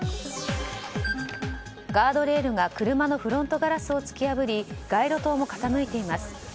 ガードレールが車のフロントガラスを突き破り街路灯も傾いています。